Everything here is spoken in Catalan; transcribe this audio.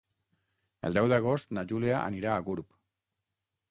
El deu d'agost na Júlia anirà a Gurb.